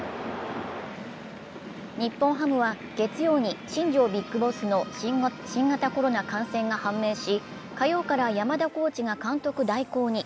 日本ハムは月曜に新庄ＢＩＧＢＯＳＳの新型コロナ感染が判明し火曜から山田コーチが監督代行に。